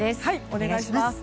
お願いします。